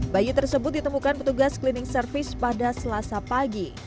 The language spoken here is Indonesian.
bayi tersebut ditemukan petugas cleaning service pada selasa pagi